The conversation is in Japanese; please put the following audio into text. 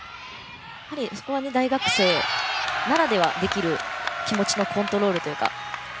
そこは大学生ならではのできる気持ちのコントロールというか。